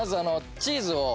チーズをね。